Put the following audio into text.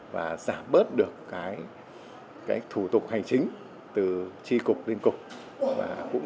và giảm bớt được thủ tục hành chính